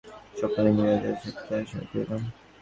সকলে মিলিয়া যথাসাধ্য তাঁহার সেবা করিলাম।